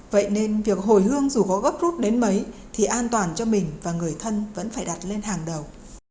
vậy nên việc hồi hương dù có góp rút đến mấy thì an toàn cho mình và người thân vẫn phải đặt lên hàng đầu